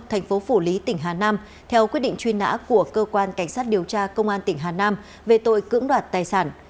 thành phố phủ lý tỉnh hà nam theo quyết định truy nã của cơ quan cảnh sát điều tra công an tỉnh hà nam về tội cưỡng đoạt tài sản